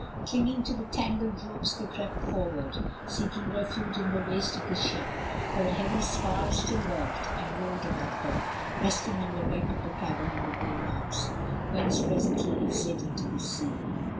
Clinging to the tangled ropes they crept forward, seeking refuge in the waist of the ship, for the heavy spar still worked and rolled above them, resting on the wreck of the cabin and the bulwarks, whence presently it slid into the sea.